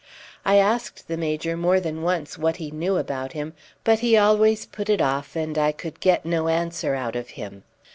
I asked the Major more than once what he knew about him, but he always put it off, and I could get no answer out of him.